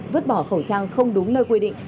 vứt bỏ khẩu trang không đúng nơi quy định